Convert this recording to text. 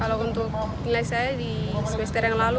kalau untuk nilai saya di semester yang lalu